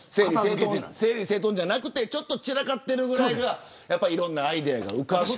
整理整頓じゃなくてちょっと散らかってるぐらいがいろんなアイデアが浮かぶ。